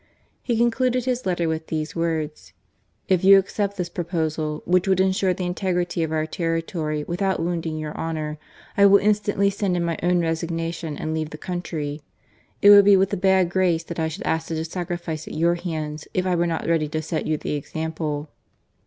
He concluded his letter with these words :" If you accept this pro posal, which would ensure the integrity of our terri tory without wounding your honour, I will instantly send in my own resignation and leave the country. It would be with a bad grace that I should ask such a sacrifice at your hands, if I were not ready to set you the example."